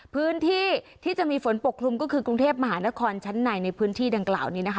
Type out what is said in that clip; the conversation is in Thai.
พื้นที่ที่จะมีฝนปกคลุมก็คือกรุงเทพมหานครชั้นในในพื้นที่ดังกล่าวนี้นะคะ